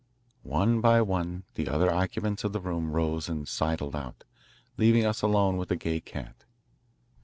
One by one the other occupants of the room rose and sidled out, leaving us alone with the Gay Cat.